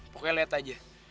pokoknya liat aja